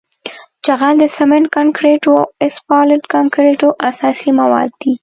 جغل د سمنټ کانکریټو او اسفالټ کانکریټو اساسي مواد دي